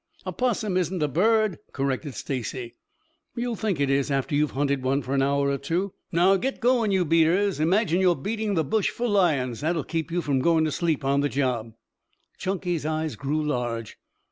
"A 'possum isn't a bird," corrected Stacy. "You'll think it is after you've hunted one for an hour or two. Now git going, you beaters. Imagine you're beating the bush for lions. That will keep you from going to sleep on the job." Chunky's eyes grew large.